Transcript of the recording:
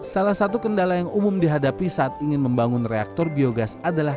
salah satu kendala yang umum dihadapi saat ingin membangun reaktor biogas adalah